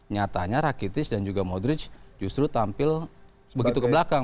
nyatanya rakitis dan juga modric justru tampil sebegitu ke belakang